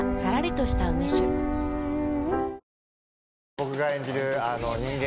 僕が演じる人間